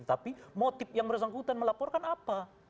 tapi motif yang bersangkutan melaporkan apa